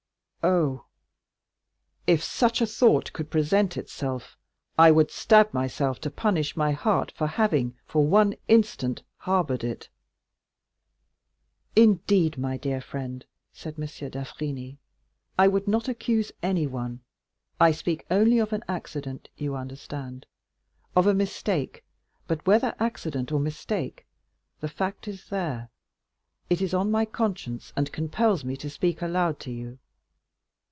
Oh, if such a thought could present itself, I would stab myself to punish my heart for having for one instant harbored it." "Indeed, my dear friend," said M. d'Avrigny, "I would not accuse anyone; I speak only of an accident, you understand,—of a mistake,—but whether accident or mistake, the fact is there; it is on my conscience and compels me to speak aloud to you.